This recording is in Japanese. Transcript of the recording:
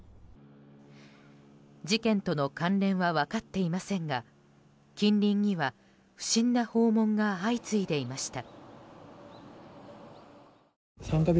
事件との関連は分かっていませんが近隣には不審な訪問が相次いでいました。